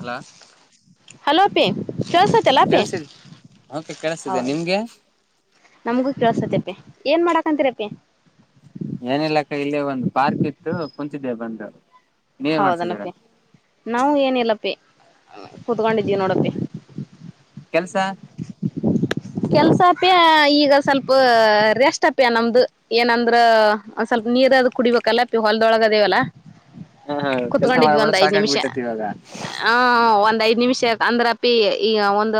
Hello hello ಅಪ್ಪಿ ಕೇಳೋಸತೆಲ್ಲ ಅಪ್ಪಿ ಕೆಲ್ಸಿಲ್ ಓಕೆ ಹ ಕೇಳಿಸ್ತಿದೆ ನಿಮ್ಗೆ ನಮಗೂ ಕೇಳೋಸತೆ ಅಪ್ಪಿ ಏನ್ ಮಾಡ ಹಂತರಾಪಿ ಏನಿಲ್ಲಕ್ಕ ಇಲ್ಲಿ ಒಂದು ಪಾರ್ಕ್ ಇತ್ತು ಕುಂತಿದ್ದೆ ಬಂದು ನೀವೇನ್ ಮಾಡ್ತಿದ್ದೀರಾ ಹೌದನಪ್ಪಿ ನಾವು ಏನಿಲ್ಲ. ಪಿ ಕೂತ್ಕೊಂಡಿದಿವ ನೋಡ್ ಅಪ್ಪಿ. ಕೆಲ್ಸ. ಕೆಲ್ಸ ಅಪ್ಯ ಈಗ ಸ್ವಲ್ಪ ರೆಸ್ಟ್ ಅಪ್ಯ ನಮ್ದು ಏನಂದ್ರ ಒಂದ್ ಸ್ವಲ್ಪ ನೀರ್ ಅದು ಕುಡಿಬೇಕಲ್ಲಪಿ ಹೊಲ್ದೊಳಗದೇವಲ್ಲ. ಹಾ ಹಾ ಕೆಲ್ಸ ಕುತ್ಕೊಂಡಿದ್ವಿ ಮಾಡ್ಬೇಡ ಒಂದ್ ಐದ್ ನಿಮಿಷ ಸಾಕಾಗ್ಬಿಟ್ಟೈತಿ ಇವಾಗ ಹಾ ಒಂದ್ ಐದ್. ನಿಮಿಷ ಅಂದ್ರಪಿ ಈಗ ಒಂದು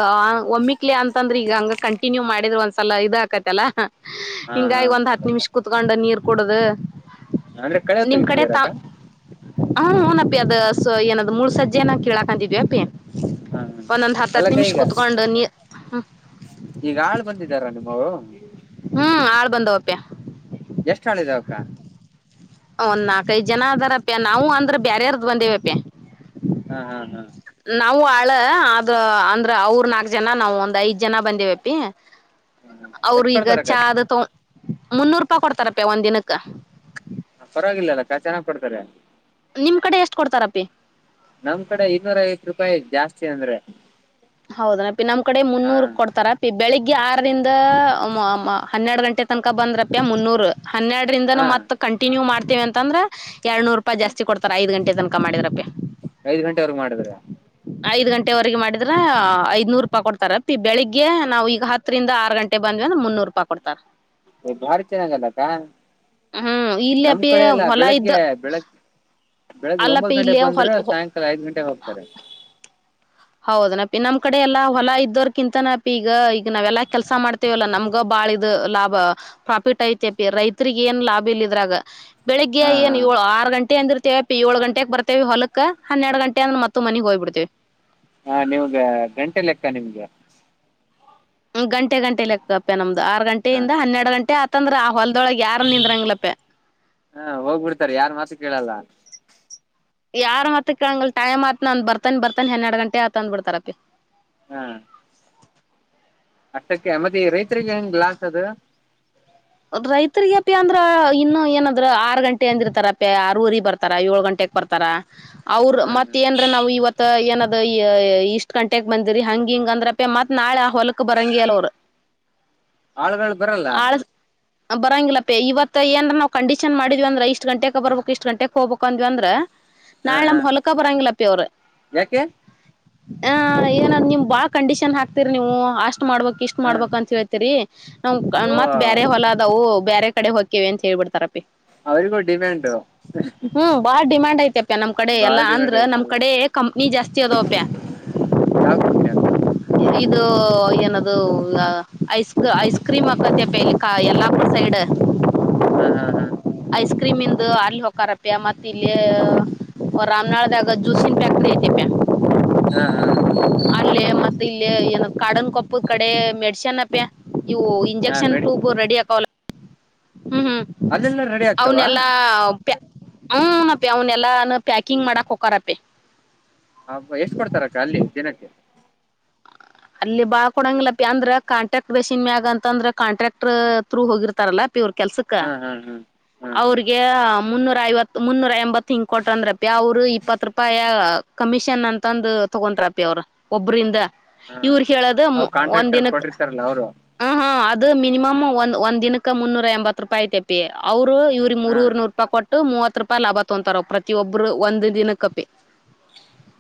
ಒಮ್ಮಿಕ್. ಕಲಿ ಅಂತಂದ್ರೆ ಈಗ ಹಂಗ ಕಂಟಿನ್ಯೂ ಮಾಡಿದ್ರ ಒಂದ್ಸಲ ಇದು ಆಕತಲ್ಲಾ. ಹಾ ಹಾ ಹಿಂಗಾಗಿ ಒಂದ್ ಹತ್ ಹೌದಕ್ಕ ನಿಮಿಷ್ ಕುತ್ಕೊಂಡ ನೀರ್ ಕುಡ್ದ ಅಂದ್ರೆ ಕಳೆ ನಿಮ್ ಕಡೆ ತ. ತೆಗ್ದಿದ್ದೀರಕ್ಕ ಹಾ ಹುನಪ್ಪಿ ಅದ ಏನದ್ ಮೂಳ್ ಸಜ್ಜೆನ ಕೇಳಾಕಂತಿದ್ವಿ ಅಪಿ. ಹಾ ಹಾ ಒಂದಂದ ಹತ್ತ ಅಲ್ಲಕ್ಕ ನಿಮಿಷ ಈಗ ಕುೂತ್ಗೊಂಡನೀ ಈಗ ಆಳ ಬಂದಿದ್ದಾರ ನಿಮ್ಮವರು. ಹ್ಮ್ ಆಳ್ ಬಂದವಪ್ಯ. ಎಷ್ಟ್ ಆಳ್ ಇದಾವಕ್ಕ ಒಂದ್ ನಾಲ್ಕೈದ ಜನ ಅದರಪ್ಯ ನಾವು ಅಂದ. ಬ್ಯಾರೆಯರ್ದ ಬಂದೇವಪ್ಯ. ಹ್ಮ ಹಾ ಹಾ. ನಾವು ಆಳ ಅದ ಅಂದ್ರ ಅವ್ರ ನಾಲ್ಕಜನ್ ನಾವು ಒಂದ್ ಐದ್. ಜನ ಬಂದೇವಪಿ ಅವ್ರು ಎಷ್ಟ್ ಈಗ ಕೊಡ್ತಾರಕ್ಕ ಚಾ ದು ತೋ. ಮುನ್ನೂರು ರೂಪಾ ಕೊಡ್ತಾರಪ್ಯ ಒಂದ ದಿನಕ್ಕ. ಪರವಾಗಿಲ್ಲ ಅಲ್ಲ ಕಾ ಚೆನ್ನಾಗ್ ಕೊಡ್ತಾರೆ. ನಿಮ್ ಕಡೆ ಎಷ್ಟ್ ಕೊಡ್ತಾರಪ್ಪಿ ನಮ್ ಕಡೆ ಇನ್ನೂರ ಐವತ್ ರೂಪಾಯಿ ಜಾಸ್ತಿ. ತಿ ಅಂದ್ರೆ. ಹೌದನ ಅಪ್ಪಿ ನಮ್ ಕಡೆ ಹಾ ಮುನ್ನೂರು ಕೊಡ್ತಾರಪಿ. ಬೆಳಿಗ್ಗೆ ಆರರಿಂದ ಹನ್ನೆರಡು ಗಂಟೆ ತನಕ ಬಂದ್ರಪ್ಪ್ಯ ಮುನ್ನೂರು. ಹನ್ನೆರಡರಿಂದನ ಹಾ ಮತ್ತತ್ ಕಂಟಿನ್ಯೂ ಮಾಡ. ತೇವ ಅಂತಂದ್ರ. ಎರನೂರುೂಪಾಯ ಜಾತಿ ಕೊಡ್ಾರೆ ಐ ಗಂೆ. ತನಕ ಮಾಡಿದ್ರಪ್ಪ. ಐದ್ ಗಂಟೆವರೆಗ ಮಾಡಿದ್ರ ಐದ ಗಂಟೆರೆಗೆ ಮಾಡ. ಆದ್ರ ಐದ್ನೂರು ರೂಪಾಯಿ ಕೊಡ್ತಾರ ಬೆಳಿಗ್ಗೆ ನಾವ್ ಈಗ ಹತ್ತರಿಂದ ಆರು ಗಂಟೆ ಬಂದ್ವಿ ಅಂದೆ ಮುನ್ನೂರು ರೂಪಾಯಿ ಕೊಡ್ತಾರ. ್ ಭಾರಿ ಚೆನ್ನಾಗಲ್ಲಕ್ಕ ಹ್ಮ್ ಇಲ್ಲಿ ನಮ್ ಅಪ್ಪಿ ಕಡೆ ಎಲ್ಲ ಹೊಲ ಇದ್ದ ಬೆಳಗ್ಗೆ ಬೆಳಗ್. ಬೆಳಗ್ಗೆ ಒಂಬತ್ತು ಅಲ್ಲಪ್ಪಿ ಗಂಟೆ ಇಲ್ಲಿ ಬಂದ್ರೆ ಹೊಲ್ ಸಾಯಂಕಾಲ ಐದ್ ಗಂಟೆಗೆ ಹೋಗ್ತಾರೆ ಹೌದನಪಿ ನಮ್ ಕಡೆ ಎಲ್ಲಾ ಹೊಲ ಇದ್ದೋರ್ಕಿಂತನಪಿ ಈಗ ಈಗ ನಾವೆಲ್ಲಾ ಕೆಲ್ಸ ಮಾಡ್ತೇವಲ್ಲಾ ನಮ್ಗ ಬಾಳ ಇದ್ ಲಾಭ ಪ್ರಾಫಿಟ್ ಐತಿ ಅಪಿ ರೈತರಿಗ ಏನ್ ಲಾಭ ಇಲ್ಲ ಇದ್ರಾಗ ಬೆಳಿಗ್ಗೆ ಹಾ ಏನು ಹಾ ಏಳು ಆರು ಗಂಟೆ ಅಂದ್ರೆ ವ ಏಳು ಗಂಟೆಗ್ ಬರ್ತೇವಿ ಹೊಲಕ್ ಹನ್ನೆರ ಗಂಟೆಂದ್ರ ಮತ್ತ ಮನೆಗ್ ಹೋಗ್ಬ ಬಿಡ್ತೇವಿ ಹಾ ನಿವಗೆ ಗಂಟೆ ಲೆಕ್ಕ ನಿಮ್ಗೆ ಹ್ಮ ಗಂಟೆ ಗಂಟೆ ಲೆಕ್ಕಪ್ಪ ನಮ್ದು ಆರು ಗಂಟೆಯಿಂದ ಹನ್ನೆರಡು ಗಂಟೆ ಆ. ತಂದ್ರ ಆ ಹೊ. ಹ ಹೋಗ್ಬಿಡ್ತಾರೆ ಯಾರು ಮಾತು ಕೇಳಲ್ಲ. ಯಾರ ಮತ್ತ ಕಂಗಲ್ ಟೈಮ್ ಆತ್ ನಂದ್ ಬರ್ತಾನಿ ಬರ್ತಾನಿ ಹನ್ನೆರಡ್ ಗಂಟೆ ಆತ್ ಅಂದ್ ಬಿಡ್ತಾರತಿ. ಹ್ಮ. ಅಷ್ಟಕ್ಕೆ ಮತ್ತೆ ಈ ರೈತರಿಗೆ ಹೆಂಗ್ ಲಾಸ್ ಅದ. ರೈತರಿಗ ಅಪ ಅಂದ್ರ ಇನ್ನು ಏನಾದ್ರ ಆರು ಗಂಟೆ ಅಂದಿರ್ತಾರಪ ಆರ ಊರಿಗೆ ಬರ್ತಾರ ಏಳ ಗಂಟೆಕ್ ಬರ್ತಾರ. ಅವ್ರ ಹ್ಮ್ ಮತ್ ಹ್ಮ್ ಏನ್ರ ನಾವು ಇವತ್ತ ಏನಾದ ಇಷ್ಟ ಕಂಟೆಕ್ ಬಂದಿರಿ ಹಂಗ ಹಿಂಗ ಅಂದ್ರಪ್ಪ ಮತ್ ನಾಳೆ ಆ ಹೊಲಕ್ ಬರಂಗಿ ಅಲ್ ಅವರು. ಆಳ್ಗಳು ಬರಲ್ಲ. ಬರಂಗಿಲ್ಲಪ್ಪ ಇವತ್ಏನ್ ನವು ಕಂಡೀಷನ್ ಮಾಡಿದ್ವಿ ಅ್ರ ಇಷ್ಟ ಗಂಟೆಗೆ ಬಬಬೇಕಕ್ ಇಷ್ಟ ಗಂಟೆಗೆ ಹೋಗ್ಬೇಕ ಅಂದ್ವಿ ಅಂದ್ರೆ. ಹಾ ನಾಳೆ ನ ಹಾ ಹೊಲಕ್ಕಾಬರಾಂಗಪ್ಪಿ ಅವರ. ಯಾಕೆ ಹ ಏನ ನಿಮ್ ಬಾ ಕಂಡೀಷನ್ ಹಾಕ್ತಿೀರಿ ನೀವು ಅಷ್ಟ. ಇಷ್ಟ್ ಮಾಡ್ಬೇಕಕ್ ಇಷ್ಟ್ ಹಾ ಮಾಡ್ಬೇಕ ಅಂತ ಹೇಳ್ತೀರಿ. ನ ಓ ಮತ್ ಬ. ಹೊಲ ಅದವು ಬ್ಯರೆ. ಕಡೆ ಹೋಗಕೇ ಅಂತ ಹೇಬಿಡ್ತಾರೆ. ಅವರು ಗಡಿಿಯಮೆಟು. ಹ್ಮ್ ಬಾಳ್ ಡಿಮ್ಯಾಂಡ್ ಐತೆಪ್ಯ ನಮ್ ಕಡೆ ಎಲ್ಲಾ ಅಂದ್ರ ನಮ್ ಕಡೆ ಕಂಪ್ನಿ ಜಾಸ್ತಿ ಅದಪ್ಯ. ಯಾವ ಕಂಪ್ನಿ ಅಂತ ಇದು ಏನದು ಐಸ್ ಐಸ್ ಕ್ರೀಮ್ ಅಕ್ಕಪಲಿ. ಕ ಎಲ್ಲಾಪುರ್ ಸೈಡು ಹ್ಮ್ ಹ್ಮ್ ಹ್ಮ್ ಐಸ್ ಕ್ರೀಮ ಇಂದು ಅಲ್ಲಿ ಹೂಕ್ಕಾರಪ್ಪೆ ಮತ್ತೆ ಇಲ್ಲಿ ರಾಮ್ ನಾಳ್ದಾಗ ಜ್ಯೂಸನ್ ಪ್ಯಾಕ್ರಿ ಐತೆಪ ಹಾ ಹಾ ಏನೋ ಕಾಡನ್ ಕೊಪ್ಪ ಕಡೆ ಮೆಡ್ಸನ್ಪ್ಪೆ ಇವು ಹಾ ಇಂಜೆಕ್ಷನ್ ಟು ಮೆಡಿಸಿನ್ ಕಲೋ ಹ್ಮ್ ಹ್ಮ್ ಅಲ್ಲೆಲ್ಲ ರೆಡಿ ಆಗ್ತಾವ ಅವನ್ ಎಲ್ಲಾ ಹುನಪ್ಪಿ ಅವನ ಎಲ್ಲ ಪ್ಯಾಕಿಂಗ್ ಮಾಡಕ್ ಒಕ್ಕಾರಪ್ಪೆ ಹಬ ಎಷ್ಟ ಕೊಡ್ತಾರಕ್ಕ ಅಲ್ಲಿ ದಿನಕ್ಕೆ ಅಲ್ಲಿ ಬಾಳ್ ಕೊಡಂಗಿಲ್ಲಪಿ ಅಂದ್ರ ಕಾಂಟ್ರಾಕ್ಟ್ ಮಷಿನ್ ಮ್ಯಾಗ ಅಂತಂದ್ರ ಕಾಂಟ್ರಾಕ್ಟ್ರ್ ಥೂ ಹೋಗಿರ್ತಾರಲ್ಲ ಪ್ಪಿ ಅವ್ರ ಕೆಲ್ಸಕ್ಕ ಹಾ ಹಾ ಹಾ ಹಾ ಹಾ ಅವ್ರಿಗೆ ಮುನ್ನೂರ ಐವತ್ ಮುನ್ನೂರ ಎಂಬತ್ ಹಿಂಗ್ ಕೊಟ್ರಂದ್ರಪಿ ಅವರು ಇಪ್ಪತ್ ರೂಪಾಯಿ ಕಮಿಷನ್ ಅಂತಂದು ತಗೊಂತಪಿ ಅವರು ಒಬ್ಬ್ರಂದ ಹಾಂ ಇವ್ರ ಹೇಳದ ಅವು ಒಂದ ಕಾಂಟ್ರಾಕ್ಟರ್ ದಿನಕ್ಕೆ ಕೊಟ್ಟಿರ್ತಾರಲ್ಲ ಅವರು ಹ ಹಾ ಮಿನಿಮಮ ಒ ಒಂದ ದಿನಕ್ಕೆ ಮುನ್ನೂರ ಎಂಬತ್ತು ರೂಪಾಯಿ್ ತೆಪ್ಪಿ ಅವಔಟ್ ಇವ್ರರಿಗ ಹಾಂ ಮೂರುವರಿ ನೂ ರೂಪಾಯಿ ಕೊಟ್ಟು ಮೂವತ್ ರೂಪಾಯಿ ಲಾಭ ತೊಂತಾರ ಪ್ರತಿಯಬ್ರು ಒಂದ್ ದಿನ ಕಪಿ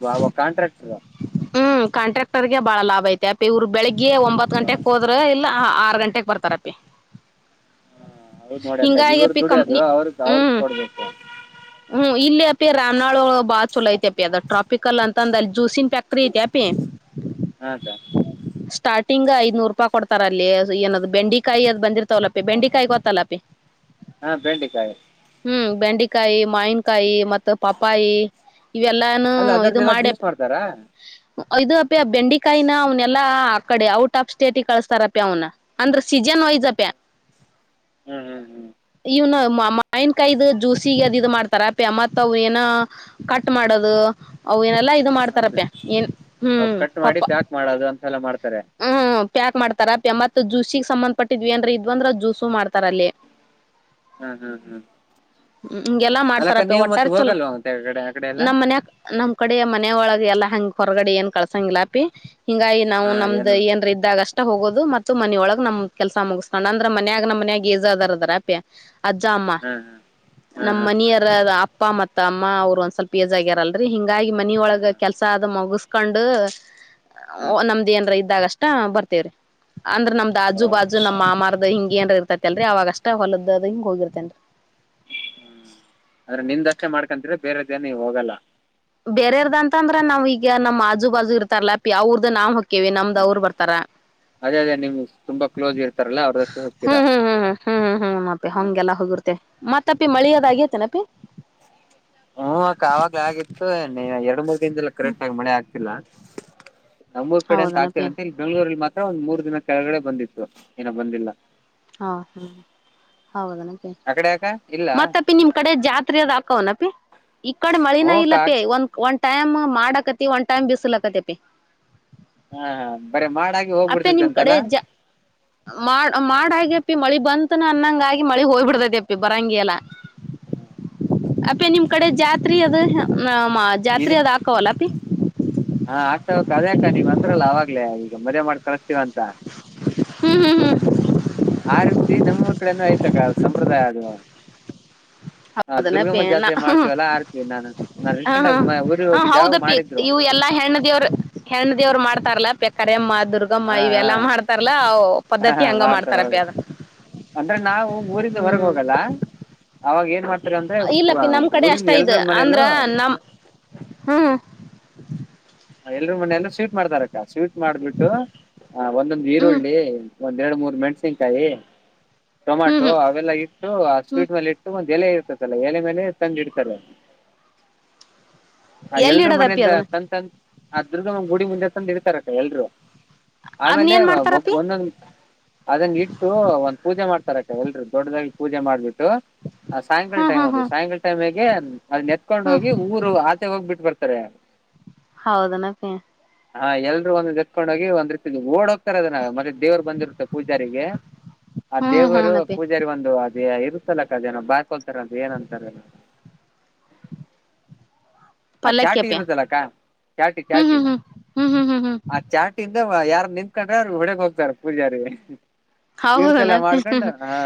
ಬಬ ಕಾಂಟ್ರಾಕ್ಟರ್ ಹ್ಮ್ ಕಾಂಟ್ರಾಕ್ಟರ್ಗೆ ಬಹಳ ಲಾಭ ಐತೆ ತಾಪ್ಪಿ ಇವ್ರ ಬೆಳಗ್ ಒಂಬತ್ ಗಂಟೆ ಹೋದ್ರೆ ಇಲ್ಲ ಆರ ಗಂಟೆಗೆ ಬರ್ತಾರಪ್ಪೆ ಹಾ ಹೌದ್ ನೋಡ್ಯಕ್ಕ ಇವ್ರ ಅಪಿ ದುಡಿಯೋದು ಕಂಪ್ನಿ ಅವ್ರ ಅವ್ರ ಹ್ಮ್ ಕೊಡ್ಬೇಕು ಪ್ಪಿ ರಾಮನಾಳ ಬಾಳ ಚಲ ಐತಪ್ಪಿ ಅದ ಟ್ರಾಪಿಕಲ ಅಂತ ತಂದಲಿ ಜೂಸಿನಂ ಪ್ಯಾಕ್ಟ್ರೀ ಐತಪಿ ಹಾಂ ಸರ್ ಸ್ಟಾರ್ಟಿಂಗ್ ಐದನೂರು ರೂಪಾಯಿ ಕೊಡ್ತಾರ ಅಲ್ಲಿ ಏನ್ ಬೆಂಡೆ ಕಾಯಿ ಅದ್ ಬಂದಿರ ಲ್ಲ ಬೆಂಡಿಕಾಯಿ ಗೊತ್ತಲ್ಲ ಹಾಂ ಬೆಂಡೆಕಾಯಿ ಹ್ಮ್ ಬೆಂಡ ಕಿ ಮಾವಿನಕಾಯಿ ಮತ್ತ ಪಪ್ಪಾಯಿ ಇವೆಲ್ಲಾನೂ ಅಲ್ಲ ಇದು ಅದರದ್ದೆಲ್ಲ ಮಾಡ್ಯ ಜ್ಯೂಸ್ ಮಾಡ್ತಾರಾ ಇದು ಅಪ್ಪಿ ಆ ಬೆಂಡಿ ಕೈನಾ ಅವ್ನ್ಲ್ ಆ ಕಡೆ ಔಟ್ ಆಫ್ ಸ್ಟೇಟ್ ಕಳಸ್ತಾರಪಿ ಅವನ ಅಂದ್ರ ಸೀಜನ್ ವೈಸ್ ಅಪಿ ಹ್ಮ್ ಹ್ಮ್ ಹ್ಮ್ ಇ ಮಾವಿನ ಕಾಯದ ಜ್ಯೂಸಿಗೆ ಅದ ಇ ಮಾಡ್ತಾರ ಪ ಅಮ್ಮತ್ ಅವ ಏನ ಕಟ್ ಮಾಡೋದು ಅವ ಏನ ಎಲ್ಲ ಇದು ಅದು ಮಾಡ್ತಾರಪ್ಪೆ ಏನ್ ಅವು ಹ್ಮ್ ಕಟ್ ಪಪ್ಪ ಮಾಡಿ ಪ್ಯಾಕ್ ಮಾಡೋದು ಅಂತೆ ಎಲ್ಲ ಮಾಡ್ಾರೆ ಸರಿ ಹ್ಮ್ ಪ್ಯಾಕ್ ಮಾಡ್ತಾರ ಮತ್ ಜ್ಯೂಸಿಗೆ ಸಂಬಂಧ ಪಟ್ಟಿದ್ವಿ ಅಏಂದ್ರ ಇದ್ ಅಂದ್ರ ಜ್ಯೂಸು ಮಾಡ್ತಾರ ಅಲ್ಲಿ ಹಾಂ ಹಾಂ ಹಾಂ ಹ್ಮ ಹಗೆಲ್ಲಾ ಅಲ್ಲಕ್ಕ ಮಾಡ್ತಾರಪ್ಪ ನೀವು ಮತ್ತೆ ಒಟ್ಟಾರೆ ಚಲ ಹೋಗಲ್ವಾ ಮತ್ತೆ ಆ ಕಡೆ ಆ ಕಡೆ ಎಲ್ಲ ನಮ್ಮ್ ಮನಯ ನಮ್ ಕಡೆಯ ಮನೆಯ ಒಳಗೆ ಎಲ್ಲಾ ಹಂಗಗೆ ಹೊರಗಡೆ ಏನ್ ಕಳಸಂಗಿಲ್ಲ ಅಪ್ಪಿ ಹಿಂಗಾಗಿ ನಾವು ಹಾಂ ನಮ್ದ ಏನು ಏನ್ ಇದ್ದಾಗ ಅಷ್ಟೆ ಹೋಗೋದು ಮ ಮತ್ತು ಮನೆಯೊಳಗ್ ನಮ್ ಕೆಲ್ಸ ಮುಗಿಸ್ೋಣ ಅಂದ್ರ ಮನ್ಯಾಗ ನಮ್ಮ ಮನ್ಯಾಗ ಏಜ ಅದಾರದಾರ ಅಪ್ಯ ಅಜ್ಜ ಅಮ್ಮ ಹಾಂ ಹಾಂ ನಮ್ಮ ಹಾಂ ಹಾಂ ಮನಿಯರ ಅಪ್ಪ ಮತ್ತ ಅಮ್ಮ ಅವರು ಒಂದ ಸ್ವಲ್ಪ ಏಜ್ ಆಗ್ಯಾರಲ್ರರಿ ಹಿ ಹಾಗಾಗಿ ಮನ ಹಾಂ ಹಾಂ ಒಳಗ ಕೆಲಸ ಆದ ಮುಗಸು ಕಂಡು ಓ ಹಾಂ ಹಾಂ ನಮ್ದ ಏನ್ರ ಇದ ಇದಾಗಷ್ಟ ಬರ್ತೇವ್ರಿ ಅಂದ್ರೆ ನಮ್ದ್ ಹಜ್ ಬಾಜು ನಮ್ಮ್ ಮಾಮಾರದ ಹಿಂಗ ಏನ್ ಇರ್ತೈತಿ ಅಲ್ರಿ ಅವವಾಗಷ್ಟ ಹೊಲದದ ಹಂಗ ಹೋಗಿರ್ತೇನ್ರಿ ಹ್ಮ ಅಂದ್ರೆ ನಿಂದಷ್ಟೇ ಮಾಡ್ಕೊಂತ್ರೆ ಬೇರೆ ದೇನ ನೀ ಹೋಗಲ್ಲ ಬೇರೆಯವರದು ಅಂತ ಅಂದ್ರೆ ನಾವ್ ಈಗ ನಮ್ಮ್ ಅ ಹಜ್ ಬಾಜು ಇರ್ತಾರಲ್ಲ ಯಾವ್ರದ್ದ ನಾವು ಹಿ ಕಿವ ನಮ್ದ ಅವರು ಬರ್ತಾರ ಅದೇ ಅದೇ ನಿಮ್ಗೆ ತುಂಬ ಕ್ಲೋಸ್ ಇರ್ತಾರಲ್ಲ ಅವ್ರದ್ದಷ್ಟೇ ಹೋಗ್ತೀರಾ ಹ್ಮ್ ಹ್ಮ್ ಹ್ಮ್ ಹ್ಮ್ ಹ್ಮ್ ಹ್ಮ್ ಹ್ಮ್ ಮಾಪೆ ಹಾಂ ಹಂಗೆಲ್ಲಾ ಹೋಗಿರ್ತೆ ಮತ್ತೆ ತಪ್ಪಿ ಮಳಿಯೋದಾಗೇತೆೆನಪಿ ಹ್ಮ್ ಅಕ್ಕಾವಾಗ್ಲ ಆಗಿತ್ತು ನೀ ಎರಡು ಮೂರ್ ಕರೆಕ್ಟ್ ಆಗ ಮಳೆ ಆಗ್ತಿಲ್ಲ ನಮ್ಮೂ ಕಡೆ ಅಂತ ಆಗ್ತಿರ ಹೌದನಪಿ ಅ ಇಲ್ಲಿ ಬೆಂಗಳೂರಿಲ್ಲಿತ್ತ ಒಂದ್ ಮೂರ್ ದಿನ ಕೆಳಗಡೆ ಬಂದಿತ್ತು ಏನೋ ಬಂದಿಲ್ಲ ಹಾ ಹ್ಮ ಹೌದನಕ ಆ ಕಡೆ ಯಾಕ ಇಲ್ಲ ಮತ್ತಪಿ ನಿಮ್ ಕಡೆ ಜಾತ್ರೆ ಅದ ಹಾಕವನಪಿ ಈ ಕಡೆ ಮಳಿನ ಹ್ಮಕ್ಕ ಇಲ್ಲಪಿ ಒಂದ ಒಂ ಟೈಮ್ ಮಾಡಕತಿ ಒಂದ್ ಟೈಮ್ ಬಿಸಲಾಕತಪ ಹ್ಮ್ ಹ್ಮ ಅಪ್ಪೆ ನಿಮ್ ಕಡೆ ಜ ಮಾಡ ಮಾಡಾಗೆ ಅಪ್ಪಿ ಮಳಿ ಬಂತನ ಅನ್ನಂಗ ಆಗಿ ಮಳಿ ಹೋಗ್ಬ ಬಿಡ್ತೈದೆ ಅಪ್ಪಿ ಬರಂಗಿಲ್ಲ ಹ್ಮ್ ಅಪ್ಪೆ ನಿಮ್ ಕಡೆ ಜಾತ್ರಿ ಅದು ನ ಜಾತ್ರೆ ಅದು ಹಾಕವಲ್ಲ ಅಪಿ ಹಾ ಆಗ್ತವ ಅಕ್ಕ ಅದ್ಯಾಕ ನೀವ್ ಅಂದ್ರಲ್ಲ ಅವಾಗ್ಲೇ ಈಗ ಮದವೆ ಮಾಡ್ ಕಳಸ್ತೀವಂತ ಹಾ ಹ್ಮ್ ಹ್ಮ್ ಹ್ಮ್ ಆ ರೀತಿ ನಮ್ಮ್ ಊರ ಕಡೆನು ಐತಿ ಅಕ್ಕ ಸಂಪ್ರದಾಯ ಅದು ಹ ಹೌದನ ಅಪಿ ದುರ್ಗಮ್ಮ ಎಲ್ಲ ಜಾತ್ರೆ ಹ ಮಾಡ್ತೀವಲ್ಲಾ ಆ ರೀತಿ ನಾನು ನಾನ್ ಹ ರೀಸೆಂಟ್ ಹಾ ಆಗಿ ಊರಿಗೆ ಹಾ ಹೋಗಿದ್ದೆ ಯಾವಾಗ ಹೌದಪ್ಪಿ ಮಾಡಿದ್ರು ಇವು ಎಲ್ಲಾ ಹೆಣ್ಣ ದೇವರು ಹೆಣ್ಣ ದೇವ್ರು ಮಾಡ್ತಾರಲ್ಲ ಕರೆ ಮಾಡ ಹಾ ಪದ್ಧತಿ ಹಂಗ ಮಾಡ್ತಾರಪಿ ಅದ ಹಾ ಹ ಮಾಡ್ತಾರೆ ಅಂದ್ರೆ ಆ, ಇಲ್ಲಪ್ಪಿ ನಮ್ ಕಡೆ ಅಷ್ಟ ಊರಿನ ಇದು ಎಲ್ರ ಮನೇಲೂ ಅಂದ್ರ ನಮ ಹ್ಮ್ [unintelligible] ಎಲ್ರು ಮೊನೆಲು ಎಲ್ಲರು ಸ್ವೀಟ್ ಮಾಡತಾರಕ್ಕ ಸ್ವೀಟ್ ಮಾಡ್ಬಿಟ್ಟು ಹ ಒಂದೊಂದು ಹ್ಮ್ ಈರುಳ್ಳಿ ಒಂದ್ರಡು ಮೂರ್ ಮೆಣಸಿನ್ಕಾಯಿ ಹ್ಮ್ ಟೊಮೆಟೊ ಹ್ಮ್ ಅವೆಲ್ಲ ಇಟ್ಟು ಆ ಹ್ಮ್ ಸ್ವೀಟ್ ಮೇಲೆ ಇಟ್ಟು ಎಲೆ ಇರ್ತದಲ್ಲ ಎಲೆ ಮೇಲೆ ತಂದ ಇಡ್ತಾರೆ ಆ ಎಲ್ಲಿ ಎಲ್ರ ಇಡದಪ್ಪಿ ಮನೆಯಿಂದ ಅದನ್ನ ತಂತನ್ ಅದ್ರ್ದು ನಮ್ ಗುಡಿ ಮುಂದೆ ತಂದ ಇಡ್ತಾರಕ್ಕ ಎಲ್ರು ಅದನ್ ಆಮೇಲೆ ಏನ್ ಒಬ್ ಮಾಡ್ತಾರಪಿ ಒಂದೊಂದು ಅದನ್ನ ಇಟ್ಟು ಒಂದ್ ಪೂಜೆ ಮಾಡ್ತಾರ ಎಲರು ದೊಡ್ಡದಾಗಿ ಪೂಜೆ ಮಾಡ್ಬೇಕು ಹ್ಮ್ ಹ್ಮ್ ದು ಹ್ಮ್ ಸಾಯಂಕಾಲ ಏನ ಅದು ಏತ್ಕೊಂಡ್ ಹ್ಮ್ ಹೋಗಿ ಊರು ಆಚೆ ಹೋಗಿಬಿಟ್ಟ ಬರ್ತಾರೆ ಸರೆ ಹೌದನ ಅಪಿ ಹಾ ಎಲ್ರು ಒಂದ್ ಎತ್ಕೊಂಡ ಹೋಗಿ ಒಂದ್ತಿ ಓಡ ರದ ಮತ್ತೆ ದೇವರು ಬಂದಿರುತ್ತೆ ಪೂಜಾರಿಗೆ ಆ ಹ್ಮ್ ದೇವರು ಹ್ಮ್ನಪಿ ಪೂಜಾರಿ ಒಂದು ಇರ್ತಲಕ್ಕ ಜನ ಬಾಕೊಳ್ತಾರ ಅಂತ ಏನಂತಾರಲ್ಲ ಆ ಚಾಟಿ ಪಲ್ಲಕ್ಕಿಪಿ ಇರುದಲ್ಲಕ್ಕಾ ಚಾಟಿ ಹ್ಮ್ ಚಾಟಿ ಹ್ಮ್ ಹ್ಮ್ ಹ್ಮ್ ಹ್ಮ್ ಹ್ಮ್ ಹ್ಮ್ ಆ ಚಾಟಿ ಯಾರು ನಿಂತ್ಕೊಂಡ್ರೆ ಅವ್ರರು ಹೊಡೆಗ್ ಹೋಗ್ತಾರೆ ಪೂಜಾರಿ ತೀರ್ಥೆಲ್ಲ ಹೌದನಾ ಅಪಿ ಮಾಡ್ಕೊಂಡು ಹಾ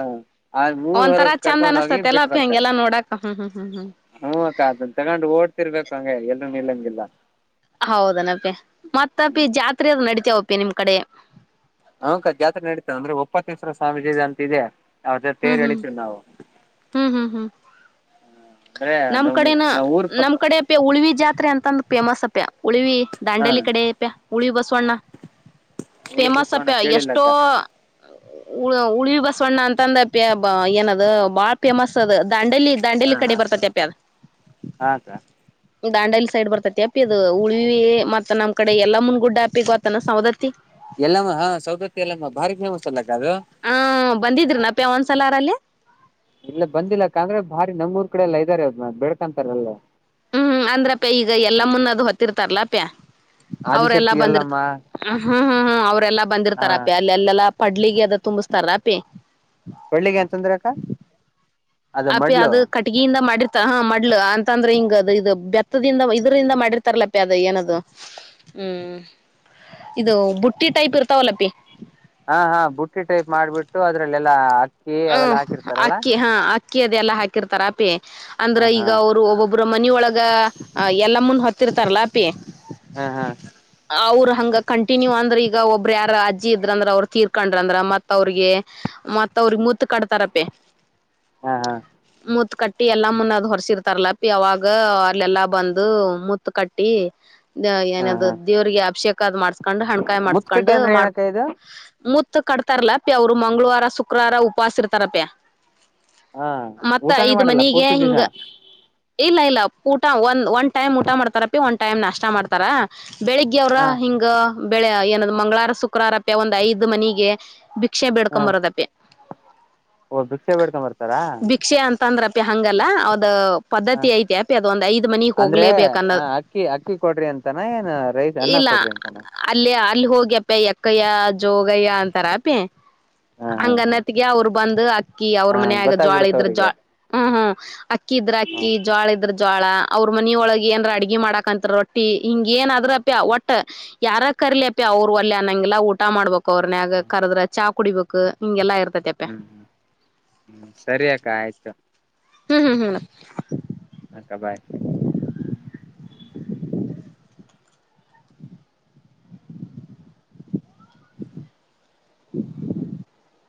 ಆ ಊರ್ ಒಂದ್ ತರ ಹೊರಗ್ ಚೆಂದ ಕರ್ಕೊಂಡ್ ಹೋಗಿ ಅನಸ್ತತಿ ಎಲ್ಲ ಬಿಟ್ಟು ಅಪಿ ಬರ್ತಾರೆ ಹಂಗೆಲ್ಲಾ ನೋಡಾಕ ಹ್ಮ್ ಹ್ಮ್ ಹ್ಮ್ ಹ್ಮ್ [unintelligible] ತಗೊಂಡು ತ್ತಿರ್ಬೇಕು ಹಂಗೆ ಎಲ್ರು ನಿಲ್ಲಂಗಿಲ್ಲ ಹೌದನಪ ಮತ್ತಪಿ ಜಾತ್ರೆರು ನಡಿತ ಹಪಿ ನಿಮ್ ಅ ಕಡೆ ಹಕ ಜಾತ್ರೆ ನಡೀತದೆ ಅಂದ್ರೆ ಒಪ್ಪತ್ತೇಶ್ವರ ಸ್ವಾಮೀಜಿ ಅಂತದೆ ಹ್ಮ್ ಹ್ಮ್ ಹ್ಮ್ ಹ್ಮ್ ಹ್ಮ್ ಅಂದ್ರೆ ನಮ್ ಕಡೆನ ನಾವ್ ಊರ್ ಪ ನಮ್ ಕಡೆ ಉಳ್ವಿ ಜಾತ್ ಪಾತ್ರೆ ಅಂತ ಒಂದು ಮಸ್ ಅಪೆ ಉಳಿವಿ ಹಾ ದಾಂಡಲಿ ಕಡೆಪ್ಯ ಉಳಿವಿ ಬಸವಣ್ಣ ಊರ್ ಫೇಮಸ್ ಬಸವಣ್ಣ ಅಪ್ಯ ಕೇಳಿಲ್ಲ ಎಷ್ಟೋ ಅಕ್ಕ ಉ ಉಳಿವಿ ಬಸವಣ್ಣ ಅಂತಂದ ಏನದು ಬಾ ಪೇಮಸ್ ಅದು ದಾಂಡಲಿ ಹಾ ದಾಂಡಲಿ ಕಡೆ ಹಾ ಬರ್ತತಿ ಅಪ್ಯಾರ ಹಾ ಅಕ್ಕ ದಾನಡಲಿ ಸೈಡ್ ಬರ್ತೈತಿ ಅಪ್ಪಿ ಅದು ಉಳ್ವವಿ ಮತ್ತತ್ ನಮ್ ಕಡೆ ಎಲ್ಲಾ ಮುಂದ ಗುಡ್ಡ ಅಪಿ ಗತ್ತಾನ ಸೌದತ್ತತಿ ಎಲ್ಲಮ್ಮ ಹಾ ಸೌದತ್ತ ಎಲ್ಲಮ್ಮ ಭಾರಿ ಫೆಮಸ್ ಅಲ್ಲ ಅಕ್ಕ ಅದು ಹ್ಮ ಬಂದಿದ್ರಿ ನಪ ಯ ಒಂದ್ಸಲ ಅರಲ್ಲಿ ಇಲ್ಲ ಬಂದಿಲ್ಲಕಂದ್ರೆ ಭಾರಿ ನಮ್ರ್ ಕಡೆ ಎಲ್ಲಾ ಇದ್ದಾರೆದ ಬೆಳ್ಕೊಂತಾರೆಲ್ಲ ಹ್ಮ್ ಹ್ಮ್ ಅಂದ್ರಪ್ಯ ಈಗ ಎಲ್ಲಾ ಮುನ್ನದು ಹೊತ್ತಿರ್ತಾರಲ್ಲ ಅಪ್ಯ ಅವ್ರೆಲ್ಲಾ ಆದಿಶಕ್ತಿ ಬಂದಿರ್ತ ಎಲ್ಲಮ್ಮ ಹ್ಮ್ ಹ್ಮ್ ಹ್ಮ್ ಅವರೆಲ್ಲ ಹಾ ಬಂದಿರ್ತಾರಪಿ ಅಲ್ಲಿ ಎಲ್ಲೆಲ್ಲಾ ಪಡ್ಲಿಗೆ ಅದ ತುಂಬಿಸತಾರ ಅಪಿ ಕೊಳ್ಳಿಗೆ ಅಂತಂದ್ರ ಅಕ್ಕ ಅಪ ಅದು ಕಟ್ಟಗೀ ಮಾಡಿರ್ತ ಹ ಮಾಡ್ಲ ಅಂತ ಅಂದ್ರೆ ಹಿಂಗ ಅದು ಇದು ಬೆತ್ತದಿಂದ ಇದರಿಂದ ಮಾಡಿರ್ತಾರಲಪಿ ಅದ ಏನದು ಹ್ಮ್ ಇದು ಬುಟ್ಟಿ ಟೈಪ್ ಇರ್ತಾವಲ್ಲಪಿ ಹಾ ಹಾ ಬುಟ್ಟಿ ಟೈಪ್ ಮಾಡ್ಬಿಟ್ಟು ಅದ್ರಲ್ಲೆಲ್ಲಾ ಅಕ್ಕಿ ಅವೆಲ್ಲಾ ಹ ಹಾಕಿರ್ತಾರಲ್ಲ ಅಕ್ಕಿ ಹಾ ಅಕ್ಕಿ ಅದೆ ಎಲ್ಲ ಹಾಕಿರ್ತಾರ ಅಪೆ ಹಾ ಅಂದ್ರ ಹಾ ಈಗ ಅವರು ಒಬ್ಬೊಬ್ಬರ ಮನಿಯೊಳಗ ಎಲ್ಲಾ ಮುಂದ ಹೊತ್ತಿರ್ತಾರಲ್ಲಾಪಿ ಹ್ಮ್ ಹ್ಮ್ ಹಂಗ ಕಂಟಿನ್ಯೂ ಅಂದ್ರ ಈಗ ಒಬ್ಬ್ರ ಯಾರ ಅಜ್ಜಿ ಇದ್ರಂದ್ರ ಅವರು ತೀರ್ಕೊಂಡ್ರ ಅಂದ್ರ ಮತ್ ಅವ್ರಿಗೆ ಮತ್ ಅವ್ರ ಕಟ್ತಾರ ಪ ಹಾ ಹಾ ಮೂತ್ ಕಟ್ಟ ಟ್ಟಿ ಎಲ್ಲಾ ಮುನ್ನದ್ ಹೊರಸಿರ್ತಾರಲ್ಲ ಪ ಅವಾಗ ಅಲ್ಲೆಲ್ಲಾ ಬಂದು ಮತ್ ಕಟ್ಟಿ ಹಾ ಏನಾದ ಹಾ ದೇವ್ರಿಗೆ ಅಭಿಷಕ್ ಅ ಮಾಡ್ ಹಣ್ಕಾಯಿ ಮಾಡಸ್ಕೊಂಡ್ ಮುತ್ಕಟ್ಟಿ ಅಂದ್ರೆ ಮಾಡ್ ಏನಕ್ಕ ಇದು ಕಟ್ತಾರಲ್ಲ ಅವರು ಮಂಳವಾರ ಸು ಶುಕ್ರಾರ ಉಪಾಸಿರ್ತಾರಪ್ಯ ಹಾ ಮತ್ತ ಊಟಾನೇ ಐದ್ ಮಾಡಲ್ಲ ಮನಿಗೆ ಪೂರ್ತಿ ದಿವಸ ಹಿಂಗ ಇಲ್ಲ ಇಲ್ಲ ಊಟ ಒಂದ ಒನ್ ಟಮ್ ಊಟ ಮಾಡ್ತಾ ರಫಿ ಟೈಮ್ ನಷ್ಟ ಮಾಡ್ತಾರಾ ಬೆಳಿಗ್ಗೆ ಅವ್ರ ಹಾ ಹಿಗೆ ಬೆಳೆ ಏನ್ ಮಂಗಳಾರ ಶುಕ್ರವಾರ ಅಪ್ಪಿ ಒಂದ್ ಐದ್ ಮನಿಗೆ ಬಿ ಭಿಕ್ಷೆ ಹಾ ಬಿಡ್ಕಂಬ ಬರದಪ್ಪಪ ಓ ಭಿಕ್ಷೆ ಬೇಡ್ಕೊಂಡ್ ಬರ್ತಾರಾ ಭಿಕ್ಷೆ ಅಂತ ಅಂದ್ರ ಅಪಿ ಹಂಗಲ್ಲ ಅವದ ಹ ಪದ್ಧತಿ ಐತಿ ಅಪಿ ಅದ ಒಂದ್ ಐದ್ ಮನಿಗ್ ಅಂದ್ರೆ ಹ ಹೋಗ್ಲೇಬೇಕನ್ನೋದ ಅಕ್ಕಿ ಅಕ್ಕಿ ಕೊಡ್ರಿ ಅಂತಾನ ಏನ್ ರೈಸ್ ಅನ್ನ ಇಲ್ಲ ಕೊಡ್ರಿ ಅಂತಾನ ಅಲ್ಲೇ ಇಲ್ಲಿ ಹೋಗ್ಯಪ್ಪ ಎಕ್ಕಯ್ಯ ಜೋಗಯ್ಯ ಅಂತಾರಪೇ ಹಾ ಹಾ ಹಾ ಹಂಗನತಿಗೆ ಅವರು ಬಂದ ಅಕ್ಕಿ ಅವ್ರ ಹ ಮನಾಗ ಜೋಳ ಗೊತ್ತಾಗ್ಬಿಡುತ್ತ ಇದ್ರ ಜ ಅವ್ರಿಗೆ ಹ್ಮ್ ಹ್ಮ್ ಅಕ್ಕಿ ಇದ್ರ ಅಕ್ಕಿ ಜೋಳ ಇದ್ರ ಜೋಳ ಅವ್ರ ಮನಿಯೊಳಗೆ ಏರ ಅಡ್ಗೆ ಮಾಡಾಕಂತ ರೊಟ್ಟಿ ಹಿಂಗ ಏನಾದ ರಪ ಒಟ್ಟು ಯಾರ ಕರ್ಲಿ ಅಪಿ ಅವ್ರು ಅಲ್ಲ ಅನ್ನಂಗಿಲ್ಲಾ ಊಟ ಮಾಡಬೇಕು ಕೋರ್ನ್ಗ ಕರದ್ರ ಚಾ ಕುಡಿ ಬೇಕು ಇಂಗೆಲ್ಲ ಹ್ಮ್ ಹ್ಮ್ ಹ್ಮ್ ಸರಿಯಕ್ಕ ಆಯ್ತು ಹ್ಮ್ ಹ್ಮ್ ಹ್ಮ್ ಹಕ್ಕ ಬಾಯ್ [inaudible]